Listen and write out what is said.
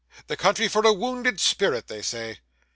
The country for a wounded spirit, they say.